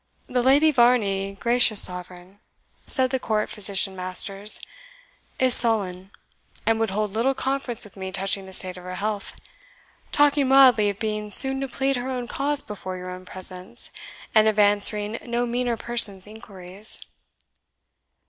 "The Lady Varney, gracious Sovereign," said the court physician Masters, "is sullen, and would hold little conference with me touching the state of her health, talking wildly of being soon to plead her own cause before your own presence, and of answering no meaner person's inquiries."